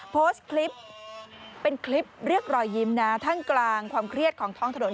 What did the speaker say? โพสต์คลิปเป็นคลิปเรียกรอยยิ้มนะท่ามกลางความเครียดของท้องถนน